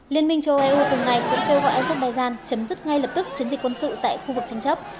liên minh châu eu cùng ngày cũng kêu gọi azerbaijan chấm dứt ngay lập tức chiến dịch quân sự tại khu vực tranh chấp